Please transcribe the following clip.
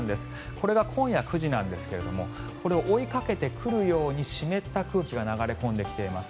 これが今夜９時なんですがこれを追いかけてくるように湿った空気が流れ込んできています。